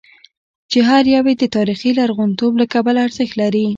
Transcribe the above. چې هر یو یې د تاریخي لرغونتوب له کبله ارزښت لري.